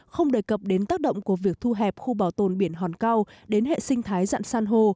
không đề cập đến tác động của việc thu hẹp khu bảo tồn biển hòn cao đến hệ sinh thái dạng san hô